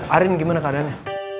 arin gimana keadaannya